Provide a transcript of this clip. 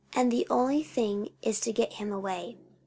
The only thing is to get him away."